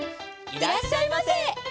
いらっしゃいませ。